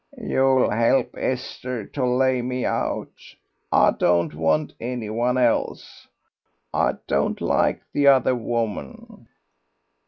"You'll help Esther to lay me out.... I don't want any one else. I don't like the other woman."